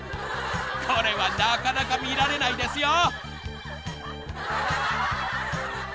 ［これはなかなか見られないですよ！］